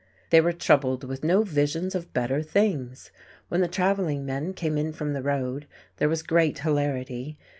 They were troubled with no visions of better things. When the travelling men came in from the "road" there was great hilarity.